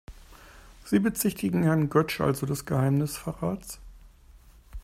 Sie bezichtigen Herrn Götsch also des Geheimnisverrats?